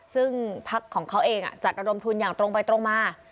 ซึ่งพักของเขาเองจัดระดมทุนอย่างตรงไปตรงมา